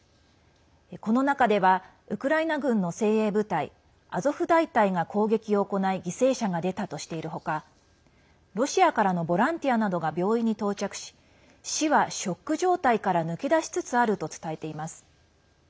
この中ではウクライナ軍の精鋭部隊アゾフ大隊が攻撃を行い犠牲者が出たとしているほかロシアからのボランティアなどが病院に到着し市はショック状態から抜け出しつつあると伝えています。